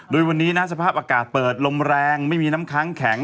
โดยวันนี้นะสภาพอากาศเปิดลมแรงไม่มีน้ำค้างแข็ง